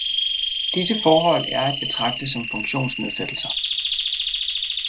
Disse forhold er at betragte som funktionsnedsættelser.